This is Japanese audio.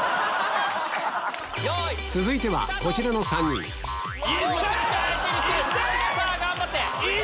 続いてはこちらの３人さぁ頑張って！